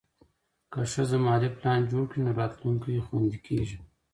که ښځه مالي پلان جوړ کړي، نو راتلونکی خوندي کېږي.